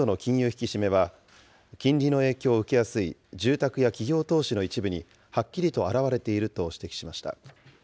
引き締めは、金利の影響を受けやすい住宅や企業投資の一部にはっきりと表れていると指摘しました。